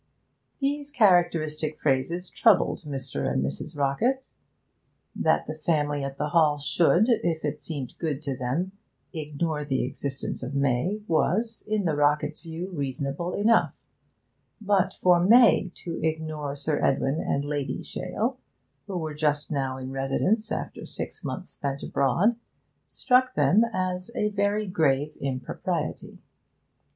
These characteristic phrases troubled Mr. and Mrs. Rockett. That the family at the Hall should, if it seemed good to them, ignore the existence of May was, in the Rocketts' view, reasonable enough; but for May to ignore Sir Edwin and Lady Shale, who were just now in residence after six months spent abroad, struck them as a very grave impropriety.